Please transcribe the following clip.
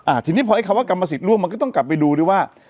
อ่าฉะนั้นพอไอ้คำว่ากรรมศิษย์ร่วมมันก็ต้องกลับไปดูนึงว่า